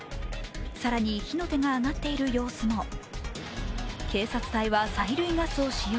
更に、火の手が上がっている様子も警察は催涙ガスを使用。